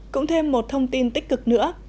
cũng thêm một thông tin tích cực nữa